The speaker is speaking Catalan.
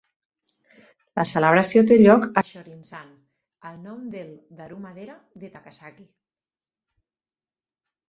La celebració té lloc a Shorinzan, el nom del "Daruma-Dera" de Takasaki.